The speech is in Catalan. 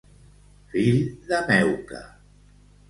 Fill de meuca.